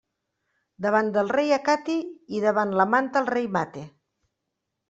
Davant el rei acate i davall la manta el rei mate.